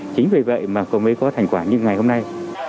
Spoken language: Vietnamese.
chính vì vậy mà cầu mới có thành quả như ngày hôm nay